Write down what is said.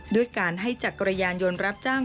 ด้วยการให้จักรยานยนต์รับจ้าง